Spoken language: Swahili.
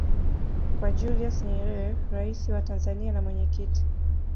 kwa Julius Nyerere Rais wa Tanzania na mwenyekiti